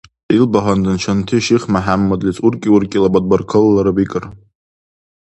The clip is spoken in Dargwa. Ил багьандан шанти ШихмяхӀяммадлис уркӀи-уркӀилабад баркаллара бикӀар.